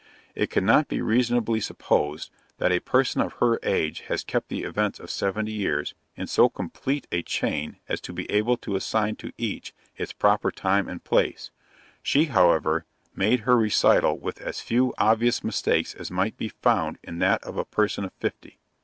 It cannot be reasonably supposed, that a person of her age has kept the events of seventy years in so complete a chain as to be able to assign to each its proper time and place; she, however, made her recital with as few obvious mistakes as might be found in that of a person of fifty.